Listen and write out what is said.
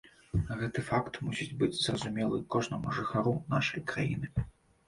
Гэты факт мусіць быць зразумелы кожнаму жыхару нашай краіны.